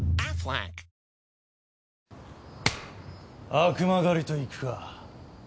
悪魔狩りといくか。